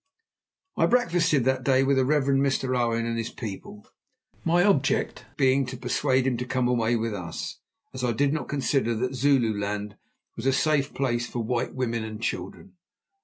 I breakfasted that day with the Reverend Mr. Owen and his people, my object being to persuade him to come away with us, as I did not consider that Zululand was a safe place for white women and children.